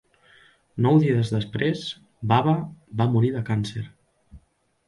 Nou dies després, Baba va morir de càncer.